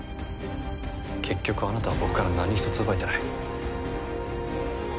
結局あなたは僕から何一つ奪えてない。